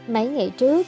mấy ngày trước